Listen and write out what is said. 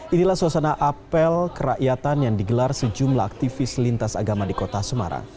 inilah suasana apel kerakyatan yang digelar sejumlah aktivis lintas agama di kota semarang